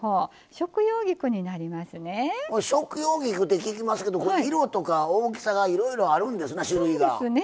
食用菊って聞きますけど色とか大きさがいろいろあるんですね、種類が。